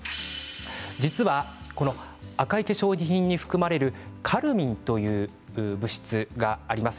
実は赤い化粧品に含まれるカルミンという物質があります。